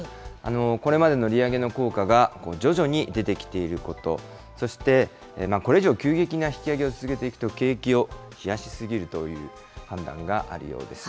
これまでの利上げの効果が徐々に出てきていること、そして、これ以上、急激な引き上げを続けていくと、景気を冷やしすぎるという判断があるようです。